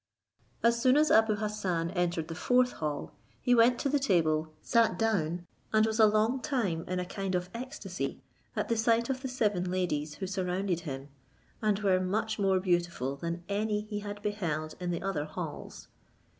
As soon as Abou Hassan entered the fourth hall, he went to the table, sat down, and was a long time in a kind of ecstasy at the sight of the seven ladies who surrounded him, and were much more beautiful than any he had beheld in the other halls.